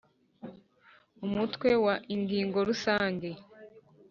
Umutwe wa ingingo rusange